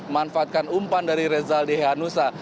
manfaatkan umpan dari rezaldi hehanusa